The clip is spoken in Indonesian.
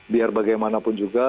biar bagaimanapun juga